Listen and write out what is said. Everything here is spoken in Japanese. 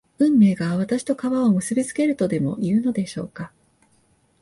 運命が私と川を結びつけるとでもいうのでしょうか